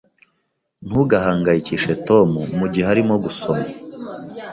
Ntugahangayikishe Tom mugihe arimo gusoma.